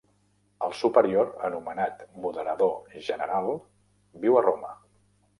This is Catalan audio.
El superior, anomenat moderador general, viu a Roma.